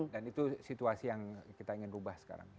dan itu situasi yang kita ingin ubah sekarang